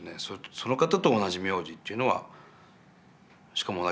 その方と同じ名字っていうのはしかも同じ仙台で。